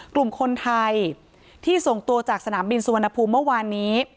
กลุ่มคนไทยที่ส่งตัวจากสนามบินสุวรรณภูมิเมื่อวานนี้